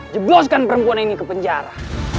jebloskan perempuan ini ke penjara